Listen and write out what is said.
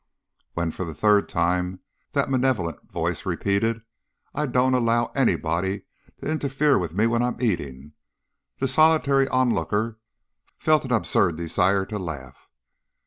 When for the third time that malevolent voice repeated, "I don't allow anybody to interfere with me when I'm eating," the solitary onlooker felt an absurd desire to laugh.